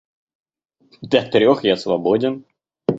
До трех я свободен.